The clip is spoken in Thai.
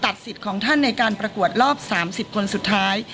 สิทธิ์ของท่านในการประกวดรอบ๓๐คนสุดท้าย